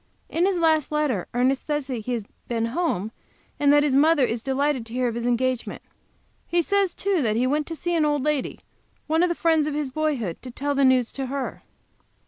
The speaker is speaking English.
In his last letter Ernest says he has been home, and that his mother is delighted to hear of his engagement. He says, too, that he went to see an old lady, one of the friends of his boyhood, to tell the news to her.